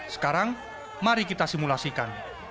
sekarang mari kita simulasikan